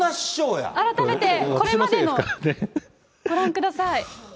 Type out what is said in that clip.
改めてこれまでの、ご覧ください。